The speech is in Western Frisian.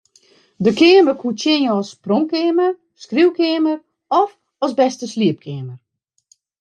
Der keamer koe tsjinje as pronkkeamer, skriuwkeamer of as bêste sliepkeamer.